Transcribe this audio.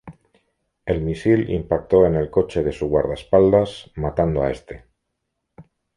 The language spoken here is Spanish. El misil impactó en el coche de su guardaespaldas, matando a este.